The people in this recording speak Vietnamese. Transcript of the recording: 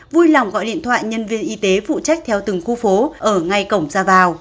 vui lòng gọi điện thoại nhân viên y tế phụ trách theo từng khu phố ở ngay cổng ra vào